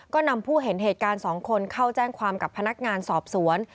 ก็นำผู้เห็นเหตุการณ์๒คนเข้าแจ้งความกับพนักงานสอบสวน